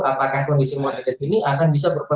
apakah kondisi moderat ini akan bisa berlangsung